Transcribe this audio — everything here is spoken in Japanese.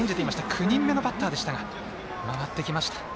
９人目のバッターでしたが回ってきました。